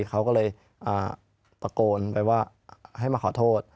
เขาก็เลยตะโกนไปว่าให้มาขอโทษ